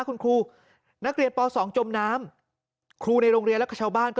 คุณครูนักเรียนป๒จมน้ำครูในโรงเรียนแล้วก็ชาวบ้านก็